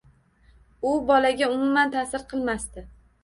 U bolaga umuman ta’sir qilmasdi.